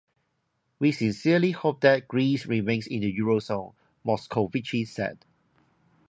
"We sincerely hope that Greece remains in the eurozone", Moscovici said.